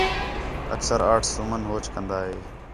اکثر آرٹس تُمن ہوچ کندہ ہِے